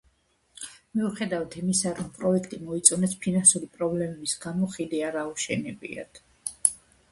მიუხედავად იმისა, რომ პროექტი მოიწონეს, ფინანსური პრობლემების გამო ხიდი არ აუშენებიათ.